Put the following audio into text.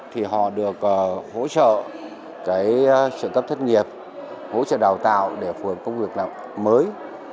thì họ được hỗ trợ trợ cấp thất nghiệp hỗ trợ đào tạo để phù hợp công việc mới